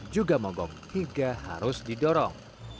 juga mogok hingga harus didorong